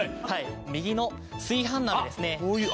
はい右の炊飯鍋ですね。